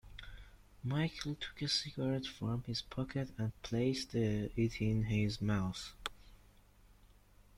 Michael took a cigarette from his pocket and placed it in his mouth.